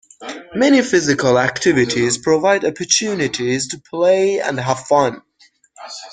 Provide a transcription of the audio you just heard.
Many physical activities provide opportunities to play and have fun.